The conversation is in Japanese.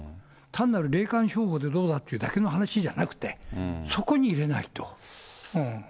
単なる霊感商法でどうだっていうだけの話じゃなくて、そこに入れないと。